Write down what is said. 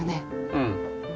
うん。